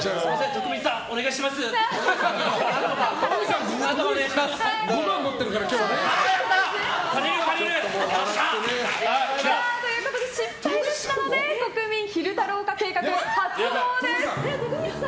徳光さん、今日５万円もらってるからね。ということで失敗でしたので国民昼太郎化計画を発動です！